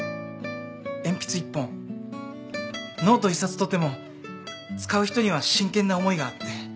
鉛筆１本ノート１冊とっても使う人には真剣な思いがあって。